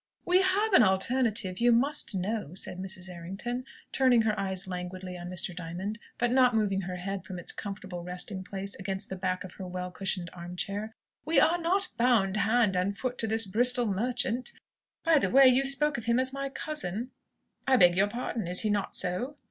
"We have an alternative, you must know," said Mrs. Errington, turning her eyes languidly on Mr. Diamond, but not moving her head from its comfortable resting place against the back of her well cushioned arm chair. "We are not bound hand and foot to this Bristol merchant. By the way, you spoke of him as my cousin " "I beg your pardon; is he not so?"